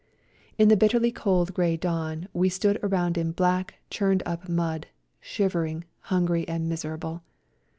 In the bitterly cold grey dawn we stood around in black, churned up mud, shivering, himgry, and miserable.